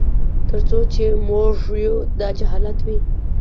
تر څو چي موږ یو داجهالت وي